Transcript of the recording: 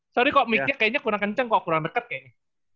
sorry kok mic nya kayaknya kurang kencang kok kurang dekat kayaknya